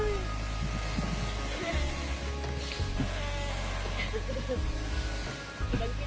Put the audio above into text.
วันที่สุดท้ายเกิดขึ้นเกิดขึ้น